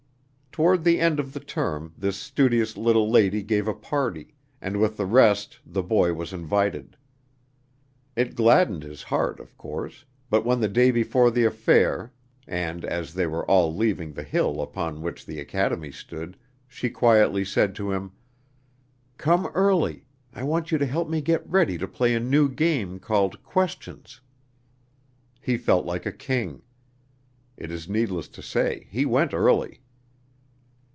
Toward the end of the term this studious little lady gave a party, and with the rest the boy was invited. It gladdened his heart, of course, but when the day before the affair, and as they were all leaving the hill upon which the academy stood, she quietly said to him: "Come early, I want you to help me get ready to play a new game called questions," he felt like a king. It is needless to say he went early.